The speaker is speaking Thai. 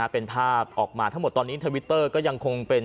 เป็นภาพออกมาทั้งหมดตอนนี้ทวิตเตอร์ก็ยังคงเป็น